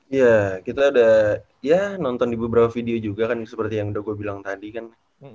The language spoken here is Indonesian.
ya kita udah ya nonton di beberapa video juga kan seperti yang dogo bilang tadi kan